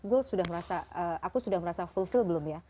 gue sudah merasa aku sudah merasa fulfill belum ya